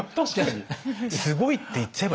すごいって言っちゃえばすごいけど。